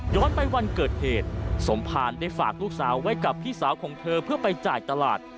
ไปวันเกิดเหตุสมภารได้ฝากลูกสาวไว้กับพี่สาวของเธอเพื่อไปจ่ายตลาด